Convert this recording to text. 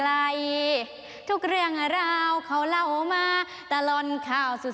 น้ำตาตกโคให้มีโชคเมียรสิเราเคยคบกันเหอะน้ำตาตกโคให้มีโชค